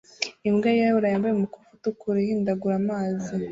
Imbwa yirabura yambaye umukufi utukura ihindagura amazi